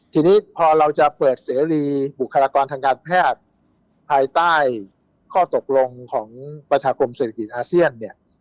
ทีนี้พอเราจะเปิดเสรีบุคลากรทางการแพทย์ภายใต้ข้อตกลงของประชากรมเศรษฐกิจอาเซียนเนี่ย